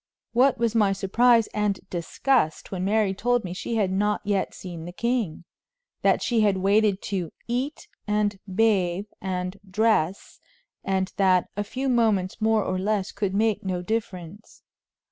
What was my surprise and disgust when Mary told me she had not yet seen the king that she had waited to "eat, and bathe, and dress," and that "a few moments more or less could make no difference."